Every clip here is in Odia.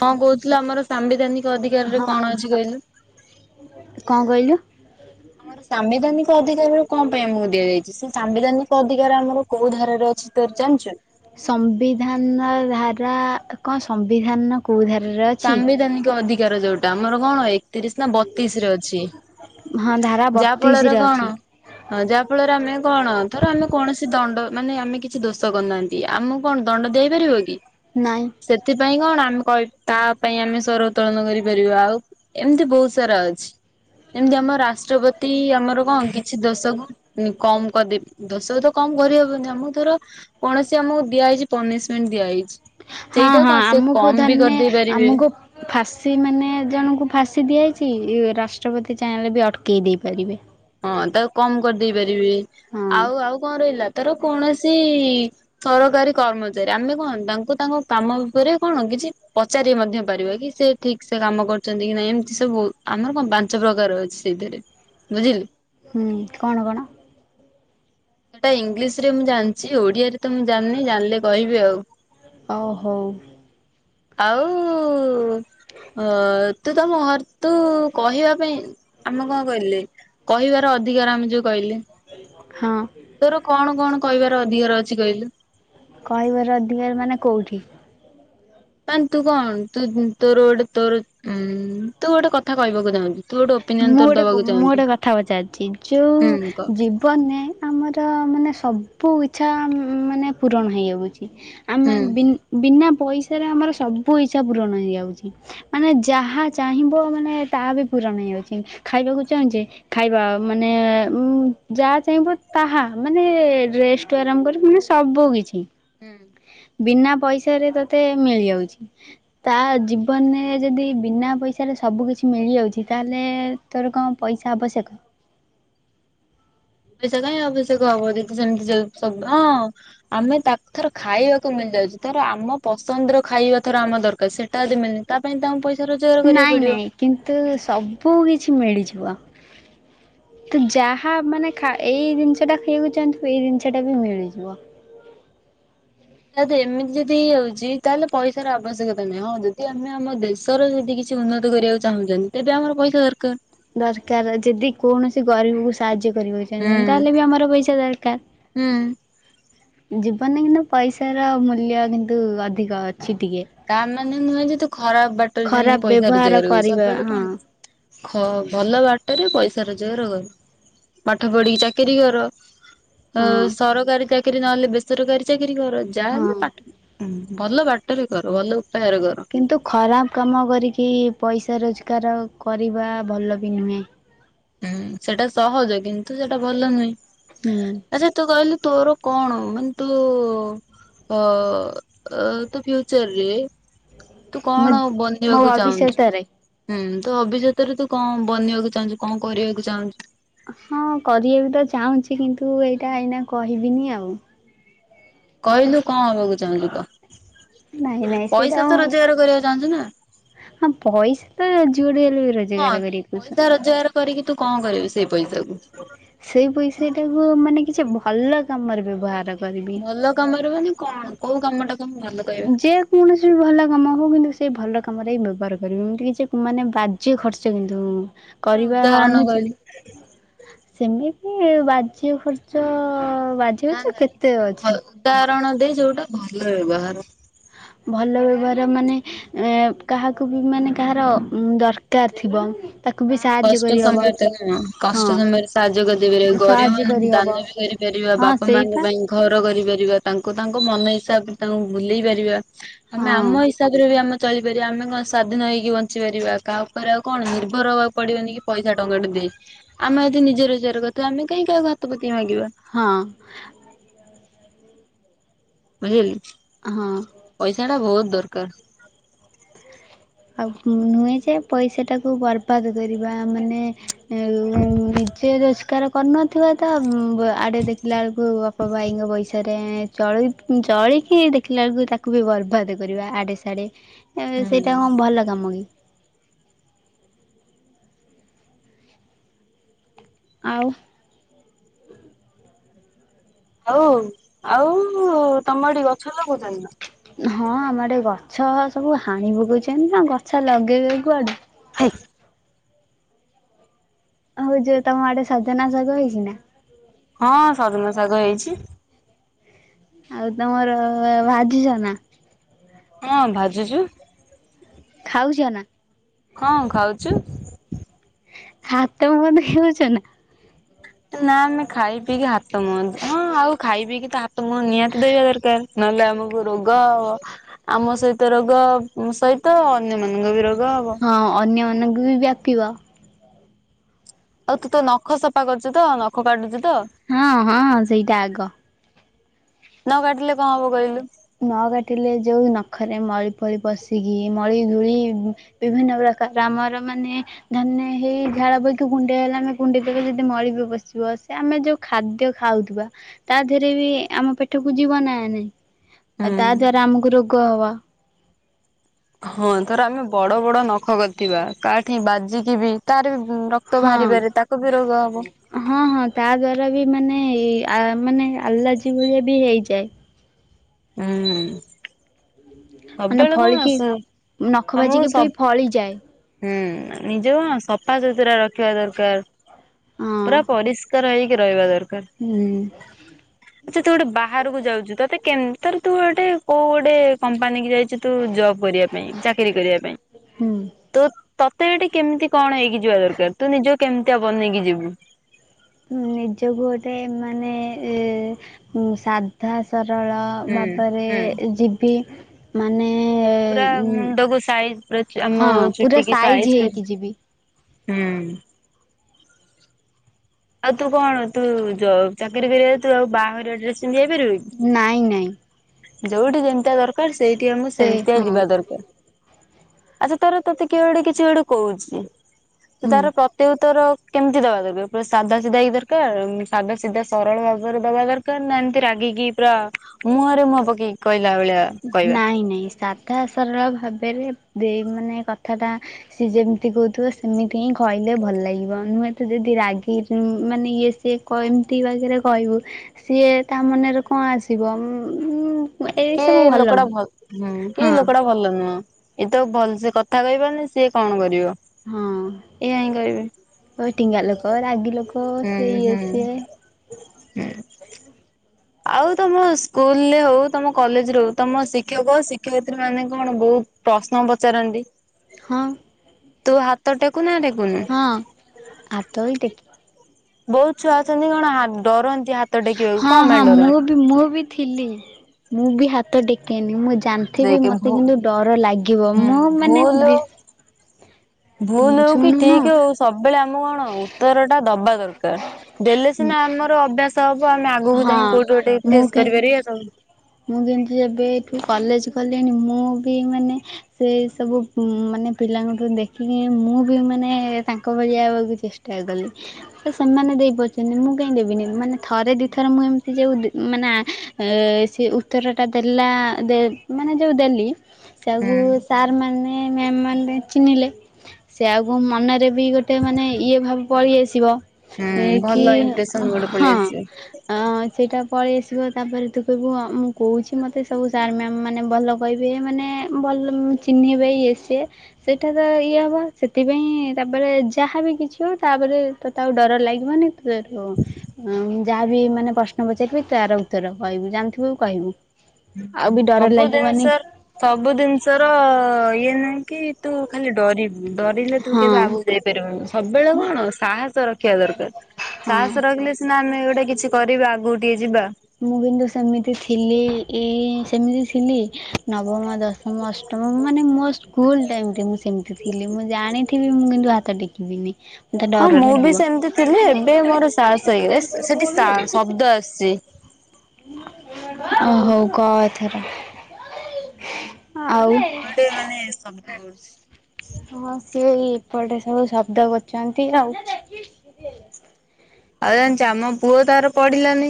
କଣ କହୁଥିଲୁ ଆମର ସାମ୍ବିଧାନିକ ଅଧିକାରରେ ହଁ କଣ ଅଛି କହିଲୁ? କଣ କହିଲୁ? ଆମର ସାମ୍ବିଧାନିକ ଅଧିକାର କଣ ପାଇଁ ମୁଁ ଦିଆଯାଇଛି ସେ ସାମ୍ବିଧାନିକ ଅଧିକାର ଆମର କୋଉ ଧାର ର ସମ୍ବିଧାନର ଧାରା କଣ ସ ସମ୍ବିଧାନ କୋଉ ଧାରା ସାମ୍ବିଧାନିକ ଅଧିକ କାର ଯୋଉଟା ଆମର କଣ ଏ ତିରିଶ ନା ବତିଶ ରେ ଅଛି ହଁ ଧାରା ଯାହା ଫଳରେ ବତିଶରେ ଅଛି କଣ ଯାହା ଫଳରେ ଆମେ କଣ ଧର ଆମେ କୌଣସି ଦଣ୍ଡ ମାନେ ଆମେ କିଛି ଦୋଷ କରୁନାହାଁନ୍ତି ଆମକୁ କଣ ଦଣ୍ଡ ଦେଇପାରିବ କି? ନାଇଁ। ପାଇଁ କଣ ଆମେ କହିବ୍ ତା ପାଇଁ ଆମେ ସ୍ଵର ଉତ୍ତୋଳନ କରିପାରିବା ଆଉ ଏମିତି ବହୁତ ସାରା ଅଛି। ଯେମିତି ଆମ ରାଷ୍ଟ୍ରପତି କି ଆମର କଣ କିଛି ଦୋଷ କୁ ଉଁ କମ କରିଦେବି ଦୋଷ ତ କମ କରିହବନି ଆମକୁ ଧର କୌଣସି ଆମକୁ ଦିଆହେଇଛି ପନିସମେଣ୍ଟ ଦିଆହେଇଛି ହଁ ସେଇଟା ହଁ କଣ ସେ ଆମକୁ କମ ବି ଧରି ନେ କରିଦେଇ ପାରିବେ ଆମକୁ ଫାଶୀ ମାନେ ଜଣଙ୍କୁ ଫାଶୀ ଦିଆହେଇ କି ରାଷ୍ଟ୍ରପତି ଚାହିଁଲେ ବି ଅଟକେଇ ଦେଇ ପାରିବେ। ହଁ ତାକୁ କମ କରିଦେଇ ପାର ରିବେ ହଁ ଆଉ ଆଉ କଣ ରହିଲା? ଧର କୌଣସି ସରକାରୀ କର୍ମଚାରୀ ଆମେ କଣ ତାଙ୍କୁ ତାଙ୍କ କାମ ଉପରେ କଣ କିଛି ପଚାରି ମଧ୍ୟ ପାରିବା କି ସେ ଠିକ ସେ କାମ କରୁଛନ୍ତି କି ନାହିଁ ଏମିତି ସବୁ ଆମର କଣ ପାଞ୍ଚ ପ୍ରକାର ଅଛି ସେଇଥିରେ ବୁଝିଲୁ। ହୁଁ କଣ କଣ? ସେଟା ଇଂଲିଶ ରେ ମୁଁ ଜାଣିଛି ଓଡିଆରେ ତ ମୁଁ ଜାଣିନି ଜାଣିଲେ କହିବି ଆଉ। ଅ ହଉ। ଆଉ ଅ ତୁ ତମ ଘରେ ତୁ କହିବା ପାଇଁ ଆମେ କଣ କହିଲେ? କହିବାର ଅଧିକାର ଆମେ ଯୋଉ କହିଲେ ହଁ ତୋର କଣ କଣ? କହିବାର ଅଧିକାର ଅଛି କହିଲୁ କହିବାର ଅଧିକାର ମାନେ କୋଉଠି ମାନେ ତୁ କଣ ତୁ ତୋର ଗୋଟେ ତୋର ଉଁ ତୁ ଗୋଟେ କଥା କହିବାକୁ ଚାହୁଁଛୁ ତୁ ଗୋଟେ ଓପିନିଅନ ମୁଁ ତୋର ଗୋଟେ କ ଦବାକୁ ମୁଁ ଚାହୁଁଛୁ ଗୋଟେ କଥା ପଚାରିଛି ଯୋଉ ହୁଁ କହ ଜୀବନ ରେ ଆମର ର ମାନେ ସବୁ ଇଚ୍ଛା ମାନେ ପୂରଣ ହେଇଯାଉଛି ହୁଁ ଆମେ ବି ବିନା ପଇସାରେ ଆମର ସବୁ ଇଛା ପୂରଣ ହେଇଯାଉଛି ମାନେ ଯାହା ଚାହିଁବ ମାନେ ତାହା ବି ପୂରଣ ହେଇଯାଉ ଛି ଖାଇବାକୁ ଚାହୁଁଛେ ଖାଇବା ମାନେ ଉଁ ଯାହା ଚାହିଁବ ତାହା ମାନେ ରେଷ୍ଟ ଠୁ ଆରମ୍ଭ କରି ମାନେ ସବୁ କିଛି ହୁଁ ବିନା ପଇସାରେ ତତେ ମିଳିଯାଉଛି ତା ଜୀବନରେ ଯଦି ବିନା ପଇସାରେ ସବୁ କିଛି ମିଳିଯାଉଛି ତାହେଲେ ତୋର କଣ ପଇସା ଆବଶ୍ୟକ। ପଇସା କାହିଁ ଆବଶ୍ୟକ ହବ ଯଦି ସେମିତି ଚାଲୁଛି ସବୁ ହଁ ଆମେ ତାକୁ ଥର ଖାଇବାକୁ ମିଳିଯାଉଛି ଧର ଆମ ପସନ୍ଦର ଖାଇବା ଥର ଆମ ଦରକାର ସେଇଟା ଯଦି ମିଳୁନି ତା ପାଇଁ ତଙ୍କୁ ପଇସ ନାଇଁ ନାଇଁ କିନ୍ତୁ ସବୁ କିଛି ମିଳିଯିବ ତୁ ଯାହା ମାନେ ଖା ଏଇ ଜିନିଷ ଟା ଖଇବାକୁ ଚାହୁଁ ଥିବୁ ଏଇ ଜିନିଷ ଟା ବି ମିଳିଯିବ। ତାହେଲେ ତ ଏମିତି ଯଦି ହେଇଯାଉଛି। ତାହେଲେ ପଇସାର ଆବଶ୍ୟକତା ନାହିଁ, ହଁ ଯଦି ଆମେ ଆମ ଦେଶର ଯଦି କିଛି ଉନ୍ନତ କରିବାକୁ ଚାହୁଁଛନ୍ତି ତେବେ ଆମର ପଇସା ଦରକାର। ଦରକାର ଯଦି କୌଣସି ଗରିବ କୁ ସାହାଯ୍ୟ କରିବାକୁ ଚାହୁଁଛନ୍ତି ହୁଁ ତାହେଲେ ବି ଆମର ପଇସା ହୁଁ। ଦରକାର। ଜୀବନରେ କିନ୍ତୁ ପଇସା ର ମୂଲ୍ୟ କିନ୍ତୁ ଅଧିକ ଅ ତା ମାନେ ନୁହେଁ ଯେ ତୁ ଖରାପ ବାଟରେ ଯାଇଁକି ଖରାପ ପଇସା ବ୍ୟବହାର ରୋଜଗାର କରିବୁ କରିବା ସବୁବେଳେ ହଁ କଣ ଖ ଭଲ ବାଟରେ ପଇସା ରୋଜଗାର କର ପାଠ ପଢିକି ଚାକିରୀ କର ଅ ହଁ ସରକାରୀ ଚାକ ନହେଲେ ବେରକାରୀ ଚା କିରି ଘର ହଁ। ଯାମ ପାଟ ହୁଁ ଭଲ ବାଟରେ ଘ ଭଲ କର କିନ୍ତୁ ଖରାପ କାମ କରିକି ପଇସା ରୋଜ କାର କରିବା ଭଲ ବି ନୁହେଁ। ହୁଁ ସେଟା ସହଜ କିନ୍ତୁ ସେଟା ଭଲ ନୁହେଁ। ହୁଁ ଆଚ୍ଛା ତୁ କଇଲୁ ତୋର କଣ ମାନେ ତୁ- ଅ-ଅ ତୋ ଫିଉଚରରେ ତୁ ମୁଁ କଣ ମୋ ବନିବାକୁ ଚାହୁଁଛୁ ଭବିଷ୍ୟତରେ ହୁଁ। ତୋ ଭବିଷ୍ୟତରେ ତୁ କଣ ବନିବାକୁ ଚାହୁଁଚୁ? କଣ କରିବାକୁ ଚାହୁଁଚୁ? ହଁ କରବାକୁ ତ ଚାହୁଁଛି କିନ୍ତୁ ଏଇଟା ଏଇନା କହିବିନି ଆଉ। କଇଲୁ କଣ ହେବାକୁ ଚାହୁଁଚୁ କ? ନାଇଁ ନାଇଁ ସେଇଟା ଆଉ କରିବାକୁ ଚାହୁଁଛୁ ନା। ହଁ ପଇସା ତ ଯୁଆଡୁ ହେଲେ ବି ହଁ ରୋଜଗାର ତୁ କରିକି ପୋଷ। ପଇସା ରୋଜଗାର କରିକି ତୁ କଣ କରିବି ସେଇ ପଇସାକୁ? ସେଇ ପଇସା ଟାକୁ ମାନେ କିଛି ଭଲ କାମରେ ବ୍ୟବହାର କରିବି। ଭଲ କାମରେ ମାନେ? କଣ କୋଉ କାମଟା ଯେ କୌଣସି ଭଲ କାମ ହଉ କିନ୍ତୁ ସେ ଭଲ କାମରେ ହିଁ ବ୍ୟବହାର କରିବୁ ଏମିତି କିଛି ମାନେ ବାଜ୍ୟ ଖର୍ଚ୍ଚ କିନ୍ତୁ କିଛିଟା କରିବା ଉଦାହରଣ କହିଲୁ ଅନୁଚିତ ସେମି ଏ ବାଜ୍ୟ ଖର୍ଚ୍ଚ ଅ ବାଜ୍ୟ ଖର୍ଚ ତ କେତେ ଅଛି? ହରଣ ଦେ ଯୋଉଟା ଭଲ ବ୍ୟବହାର। ଭଲ ବ୍ୟବହାର ମାନେ ଏଁ କାହାକୁ ବି ମାନେ କାହାର ଦରକାର ଥିବ। ତାକୁ ବି କାହା ସାହାଯ୍ୟ କଷ୍ଟ ସମୟ କରିହବ କଥା ଶୁଣ ହଁ କଷ୍ଟ ସମୟରେ ସାହାଯ୍ୟ କରିଦେଇପାରିବେ ଗରିବ ସାହାଯ୍ୟ ମାନଙ୍କୁ ଦାନ କରିହବ ବି କରିପାରିବ ହଁ ବାପା ମାଙ୍କ ସେଇପା ପାଇଁ ଘର କରିବେ। କରିବା ତାଙ୍କୁ ତାଙ୍କ ମନ ହିସାବରେ ତାଙ୍କୁ ବୁଲେଇ ପାରିବା। ଆମେ ହଁ ଆମ ହିସାବ ରେ ବି ଆମ। ଚଳିପାରିବା ଆମେ କଣ ସ୍ୱାଧୀନ ହେଇକି ବଞ୍ଚିପାରିବା କାହା ଉପରେ ଆଉ କଣ ନିର୍ ଭର ହବାକୁ ପଡିବନି କି ପଇସା ଟଙ୍କାଟା ଦେ ଆମେ ଯଦି ନିଜ ରୋଜଗାର କରିଥାଉ ଆମେ କାହିଁ କାହାକୁ ହାତ ପତେ ହଁ। [unintelligible] ହଁ ପଇସା ଟା ବହୁତ। ଦରକାର। ଆଉ ନୁହେଁ ଯେ ପଇସାଟାକୁ ବର୍ବାଦ କରିବା ମାନେ ଉଁ ଉଁ ନିଜେ ରୋଜ ତାର ଆଉ କରି ନାହାନ୍ତି ଥିଲା ତା ଆଡେ ଦେଖିଲା ବେଳକୁ ବାପା ଭାଇଙ୍କ ପଇସାରେ ଚଳି ଚଳିକି ଦେଖିଲା ବେଳକୁ ତାକୁ ବି ବର୍ବାଦ କରିବା ଇଆଡ଼େ ସେଆଡ଼େ ଏବେ ସେ ହୁଁ ଏହା କଣ ଭଲ କାମ କି। ଆଉ, ଆଉ ଆଉଉ ଉ ଉ ଉ ତମ ଆଡେ ଗଛ ଲଗଉଛନ୍ତି ନା ହଁ ଆମର ଆଡେ ଗଛ ସବୁ ହାଣି ପକଉଛନ୍ତି ନା ଗଛ ଲଗେଇବେ କୁଆଡେ [inaudible] ହଉ ଯୋଉ ତମ ଆଡେ ସଜନା ଶାଗ ହେଇଛି ନା ହଁ ସଜନା ଶାଗ ହେଇଛି ଆଉ ତମର ଭାଜିଛ ନା ହଁ ଭାଜୁଛୁ ଖାଉଛ ନା ହଁ ଖାଉଛୁ ହାତ ମୁହଁ ଧୋଇହଉଛ ନା? ନା ଆମେ ଖାଇ ପିଇକି ହା ତ ମୁଁହ ଆଉ ଖାଇ ପିଇକି ତା ତମ ନିହାତି ଦେବା ଦରକାର, ନହେଲେ ଆମକୁ ରୋଗ, ଆମ ସହିତ ରୋଗ ସହିତ ଅନ୍ୟମାନଙ୍କ ବି ରୋଗ ହବ। ହଁ ଅନ୍ୟନ ଅନକୁ ବି ବ୍ୟାପିବା। ଆଉ ତୁ ତ ନଖ ସଫା କରୁଛୁ ତ? ନଖ କାଟୁଚୁ ହଁ ହଁ ସେଇଟା ଆଗ। ନ କାଟିଲେ କଣ ହବ କହିଲୁ? ନ କାଟିଲେ ଯୋଉ ନଖରେ ମଳି ଫଳି ପଶିକି ମଳି ଧୂଳି ବିଭିନ୍ନ ପ୍ରକାର ଆମର ମାନେ ଧାନ ହେଇ ଝାଳ ବହିକି କୁଣ୍ଡେଇ ହେଲେ ଆମେ କୁଣ୍ଡେଇ ଦେବେ ଯଦି ମଳି ବି ପସିବ ସେ ଆମେ ଯୋଉ ଖାଦ୍ୟ ଖାଉଥିବା ତା ଦେହରେ ବି ଆମ ପେଟକୁ ଯିବ ନା ନାଇଁ? ଆଉ ହୁଁ। ତା ଦ୍ଵାରା ଆମକୁ ରୋଗ୍ ରୋଗ ହବ ହଁ ଧର ଆମେ ବଡ ବଡ ନଖ କରିଥିବା କାଠି ବାଜିକି ବି ତାର ବି ଉଁ ରକ୍ତ ହଁ। ବାହାରିିବାରେ ତାକୁ ବି ରୋଗ ହବ। ହଁ ହଁ ତା ଦ୍ଵାରା ମାନେ ଆ ମାନେ ଆଲାର୍ଜି ଭଳିଆ ବି ହେଇଯାଏ। ଉ ହୁଁ ମାନେ ସବୁବେଳେ କଣ ଫଳିକି ଆସୁ, ନଖ ଆମକୁ ବାଜିକି ସ, ବି ଫଳିଯାଏ ହୁଁ ନିଜକୁ ନା ସଫାସୁତୁରା ରଖିବା ଦରକାର। ହଁ। ପୁରା ପରିଷ୍କାର ହେଇକି କି ରହିବାଦ କର୍ ହୁଁ ଆଛା ତୁ ଗୋଟେ ବାହାରକୁ ଯାଉଛୁ ତତେ କେମ ତର୍ ତୁ ଗୋଟେ କଉ ଗୋଟେ କମ ପାନିକି ଯାଇଚ୍ ଚେ ତୁ ଜବ କରିବା ପାଇଁ ଚାକିର କରିବା ପାଇଁ ହୁଁ ତ ତତେ ଏଠି କେମିତି କଣ ହେଇକି ଯିବା ଦରକାର? ତୁ ନିଜକୁ କେମିତିଆ ବନେଇକି ଯିବୁ? ନିଜକୁ ଗୋଟେ ମାନେ ଏ ଉ ସାଧା। ସରଳ ହୁଁ ଭାବରେ ହୁଁ ଯିବି। ମାନେ। ପୁରା ମୁଣ୍ଡକୁ ସାଇଜ ପୁରା ଚ ଆମ ହଁ ପୁରା ଚୁଟି କିି ସାଇଜ କରି। ହେଇକି ଯିବି ହୁଁ। ଆଉ ତୁ କଣ ତୁ ଜ ଚାକିରି କରିବା ତୁ ଆଉ ବାହାଘରିଆ ଡ୍ରେସ। ପିନ୍ଧି ଯାଇପାରିବୁ କି? ନାଇଁ ନାଇଁ। ଯୋଉଠି ଯେମତିଆ ଦରକାର ସ ସେଇଠି ଆମକୁ ସେ ସେମିତିଆ ହଁ ଯିବା ଦରକାର। ଆଚ୍ଛା ତୋର ତୋତେ କିଏ ଗୋଟେ କିଛି ଗୋଟେ କହୁଛି। ହୁଁ ତାର ପ୍ରତି ଉତ୍ତର। କେମତି ଦବା ଦରକାର ପୁରା ସାଧା ସିଧା ହେଇ ଦରକାର ସାଧା ସିଧା ସରଳ ଭାବରେ ଦବା ଦରକାର ନା ଏମିତି ରାଗିକି ପୁରା ମୁହ ମୁଁହ ପକେଇକି କ ହିଲା ଭଳିଆ କହିବା। ନାଇଁ ନାଇଁ ସାଧା ସରଳ ଭାବେରେ ଦେଇ ମାନେ କଥାଟା ସିଏ ଯେମିତି କହୁଥିବ ସେମିତି ହିଁ କହିଲେ ଭଲ ଲାଗିବ ନୁହେ ତ ଯଦି ରାଗି ମାନେ ଇଏ ସିଏ କ ଏମିତି ବାଗରେ କହିବୁ ସିଏ ତା ମନରେ କଣ ଆସିବ? ଉଁ। ଏଇ କେ ସ ଲୋକଟା ଭଲ ହୁଁ କେ ଲୋକଟା ଭଲ ନୁହଁ। ଇଏ ତ ଭଲସେ କଥା କହିପାରୁନି ସିଏ କଣ କରିବ। ହଁ ଏଇଆ ହିଁ କହିବେ ଅ ଟିଙ୍ଗା ଲୋକ ରାଗି ଲୋକ ସେ ହୁଁ ଇଏ ହୁଁ ସିଏ। ଆଉ ତମ ସ୍କୁଲରେ ହଉ ତମ କଲେଜରେ ହଉ ତମ ଶିକ୍ଷକ ଶିକ୍ଷୟିତ୍ରୀ ମାନେ କଣ ବହୁତ ପ୍ରଶ୍ନ ପଚାରନ୍ତି? ହଁ। ତୁ ହାତ ଟେ ହଁ ହାତ ହିଁ ଟେକେ। ବହୁତ ଛୁଆ ଅଛନ୍ତି କଣ ହା ଡରନ୍ତ ହଁ ହଁ ମୁଁ ବି ମୁଁ ବି ଥିଲି। ମୁଁ ବି ହାତ ଟେକେନି ମୁଁ ଜା ଜାନଥିବି ଦେଖେ ମତେ ଭୁ କିନ୍ତୁ ଡର ଲାଗିବ ହୁଁ ମୁଁ ମାନେ ଭୁଲ ବି। ଭୁଲ ହଉ କି ଶୁଣୁନୁ ଠିକ ହଉ ସବୁବେଳେ ଆମକୁ କଣ ଉତ୍ତର ଟା ଦବା ଦର କାର। ଦେଲେ ସିନା ଆମର ଅଭ୍ୟାସ ହବ ଆମେ ଆଗକୁ ହଁ ଯାଇଁକି କୋଉଠି ଗୋଟେ ମୁଁ ଫେସ କି କରିପାରିବା ସବ। ମୁଁ କିନ୍ତୁ ଯେମିତି ଯେବେ ଏଠୁ କଲେଜ ଗଲିଣି ମୁଁ ବି ମାନେ ସେ ସବୁ ମାନେ ପିଲାଙ୍କଠୁ ଦେଖିକି ମୁଁ ବି ମାନେ ତାଙ୍କ ଭଳିଆ ହବାକୁ ଚେଷ୍ଟା କଲି ସେ ସେମାନେ ଦେଇପାରୁଛନ୍ତି ମୁଁ କାହିଁ ଦେବିନି ମାନେ। ଥରେ ଦୁଇଥର ମୁଁ ଏମିତି ଯଉ ଦ ମାନେ ଆ ଏ ସେ ଉତ୍ତରଟା ଦେଲା ଦେ-ମାନେ ଯେଉଁ ଦେଲି। ହୁଁ ସବୁ ସାର୍ ମାନେ ମ୍ୟାମ ମାନେ ଚିହ୍ନିଲେ। ସେ ଆଉ କୋଉ ମନରେ ବି ଗୋଟେ ମାନେ ଇଏ ଭାବ ପଳି ଆସିବ। ହୁଁ ଏ କି ଭଲ ଇମ୍ପ୍ରେସନ ଗୋଟେ ପଳେଇ ହଁ ଆସିବ। ସେଇଟା। ପଳେଇ ଆସିବ ତାପ ରେ ତୁ କହିବୁ ମୁଁ କହୁଛି ମୋତେ ସବୁ ସାର୍ ମ୍ୟାମ ମାନେ ଭଲ କହିବେ ମାନେ ଭଲ ଚିହ୍ନିବେ ଇଏ ସିଏ ସେଇଟା ତ ଇଏ ହବ ସେଥିପାଇଁ ତାପରେ ଯାହାବି କିଛି ହଉ ତାପରେ ତୋତେ ଆଉ ଡର ଲାଗିବନି ତ ଯାହାବି ମାନେ ପ୍ରଶ୍ନ ପଚାରିବେ ତାର ଉତ୍ତର କହିବୁ। ଜାଣିଥିବୁ କହିବୁ। ଆଉ ବି ଡର ସବୁ ଲାଗିବନି ଜିନିଷ ସବୁ ଜିନିଷ ର ଇଏ ନାଇଁ କି ତୁ ଖାଲି ଡରି ଡରିଲେ ତୁ ହଁ କେବେ ଆଗକୁ ଯାଇପାରିବୁନି ସବୁବେଳେ କଣ ସାହସ ରଖିବା ଦରକାର ହଁ। ସାହସ ରଖିଲେ ସିନା ଆମେ ଗୋଟେ କିଛି କରିବା ଆଗକୁ ଟିକେ ଯିବା। ଏ ସେମିତି ଥିଲି ନବମ ଦଶମ ଅଷ୍ଟମ ମାନେ ମୋ ସ୍କୁଲ ଟାଇମରେ ମୁଁ ସେମିତି ଥିଲି ମୁଁ ଜାଣିଥିବି ମୁଁ କିନ୍ତୁ ହା ତ ଟେକିବିିନି। ହଁ ମୁଁ ବି ସେମିତି ଥିଲି ଏବେ ମୋର ସାହସ ହେଇଗ ସେଠି ସ ଶବ୍ଦ ଆସିଚି। ହଉ କ ଏଥର। ଆଉ ଏ ଗୋଟେ ମାନେ ସ ଙ୍କ କରୁଛି। ହଁ ସିଏ ଏଇପଟେ ସବୁ ଶବ୍ଦ କରୁଚନ୍ତି ଆଉ। ଆଉ ଜାଣିଚ ଆମ ପୁଅ ତାର ପଢିଲାନି।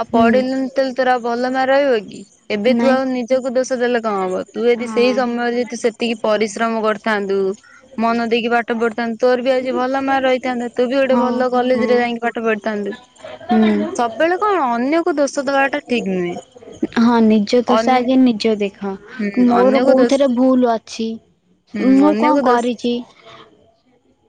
ଆଉ ହୁଁ ପଡ଼ିଲନି ତାହେଲେ ତୋର ଆଉ। ଭଲ ମାର ରହିବ କି? ଏବେ ତୁ ନାଇଁ ଆଉ ନିଜକୁ ଦୋଷ ଦେଲେ କଣ ହବ ତୁ ଯଦି ସେଇ ହଁ ସମୟରେ ଯଦି ସେତିକି ପରିଶ୍ରମ କର କାନ୍ଦୁ। ମନ ଦେଇକି ପାଠ ପଢିଥାନନ୍ତୁ ତୋର ବି ଆଜି ଭଲ ମାର୍କ ରହିଥାନ୍ତା ତୁ ବି ଗୋଟେ ହଁ ଭଲ କଲେଜରେ ରେ ଯାଇକି ହଁ ପାଠ ପଢିଥାନ୍ତୁ ହୁଁ ସବୁବେଳେ କଣ ଅନ୍ୟକୁ ଦୋଷ ଦବାଟା ଠିକ ନୁହେଁ। ହଁ ନିଜ ଦୋଷ ଅନ୍ ଆଗେ ନିଜ ଦେ ହଁ ହୁଁ ମୋର ଅନ୍ୟକୁ ଦୋଷ କୋଉଥିରେ ଭୁଲ ଅଛି ହୁଁ ମୁଁ କଣ ଅନ୍ୟକୁ ଦୋଷ କରିଚି।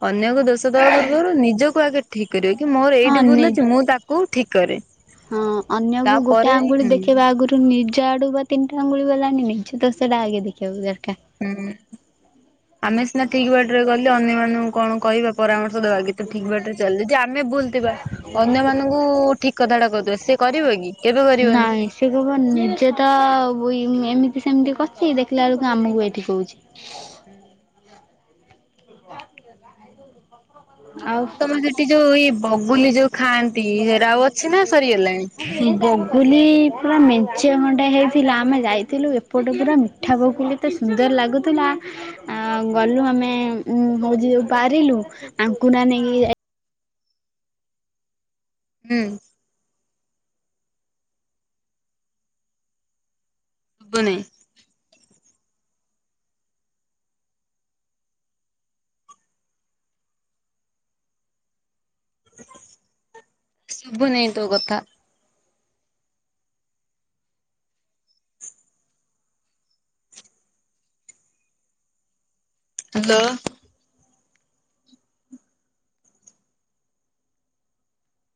ଅନ୍ୟକୁ ଦୋଷ ଦେବା ପୂର୍ବରୁ ନିଜ କୁ ଆଗେ ଠିକ୍ କରିବ କି ମୋର ହଁ ଏଇଟି ଭୁଲ ନି ଅଛି ମୁଁ ତାକୁ ଠିକ କରେ। ହଁ ଅନ୍ୟକୁ ଗୋଟେ ତାପରେ ଯାଇ ଆଙ୍ଗୁଳି ହୁଁ ଦେଖେଇବା ଆଗରୁ ନି ଜ ଆଡୁ ବା ତିନ ଟା ଆଙ୍ଗୁଳି ଗଲାଣି ନିଜ ଦୋଷ ଟା ଆଗେ ଦେଖିବାକୁ ଦରକାର। ହୁଁ ଆମେ ସିନା ଠିକ ବାଟରେ ଗଲେ ଅନ୍ୟମାନଙ୍କୁ କଣ କହିବା ପରାମ ଦବା କି ତୁ ଠିକ ବାଟରେ ଚାଲ ଯେ ଆମେ ଭୁଲଥିବା ଅନ୍ୟ ମାନଙ୍କୁ ଠିକ କଥାଟା କହୁଥିବା ସେ କରିବ କି କେବେ କରିବନି। ହୋଇ ଏମିତି ସେମିତି କରିଛି ଦେଖିଲା ବେଳକୁ ଆମକୁ ଏଇଠି କହୁଛି। ଆଉ ତମର ସେଠି ଯୋଉ ଇ ବଗୁଲି ଯୋଉ ଖାଆନ୍ତି ସେରା ଆଉ ଅଛି ନା ସରିଗଲାଣି। ବଗୁଲି ପୁରା ମେଞ୍ଚେ ଖଣ୍ଡେ ହେଇଥିଲା ଆମେ ଯାଇଥିଲୁ ଏପଟେ ପୁରା ମିଠା ବଗୁଲି ତ ସୁନ୍ଦର ଲାଗୁଥିଲା ଆଁ ଗଲୁ ଆମେ ହଉଚି ଯଉ ପାରିଲୁ ଆଙ୍କୁରା ନେଇକି ହୁଁ। ଶୁଭୁନି। ଶୁଭୁନି ତୋ କଥା। ହାଲୋ।